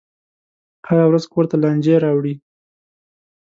هره ورځ کور ته لانجې راوړي.